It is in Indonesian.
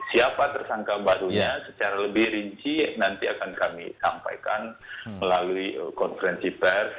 siapa tersangka barunya secara lebih rinci nanti akan kami sampaikan melalui konferensi pers